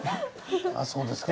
そうですか？